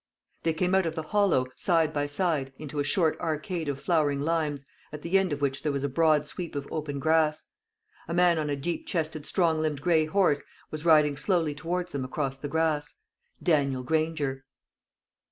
They came out of the hollow, side by side, into a short arcade of flowering limes, at the end of which there was a broad sweep of open grass. A man on a deep chested strong limbed gray horse was riding slowly towards them across the grass Daniel Granger.